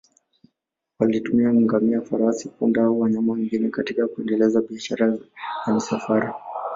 Walitumia ngamia, farasi, punda au wanyama wengine katika kuendeleza biashara ya misafara.